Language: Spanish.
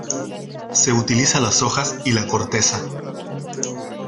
Se utiliza las hojas y la corteza.